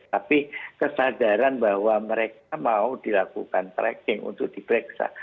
tapi kesadaran bahwa mereka mau dilakukan tracking untuk diperiksa